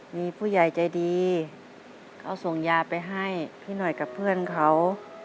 มีผู้ใหญ่ใจดีเขาส่งยาไปให้พี่หน่อยกับเพื่อนเขา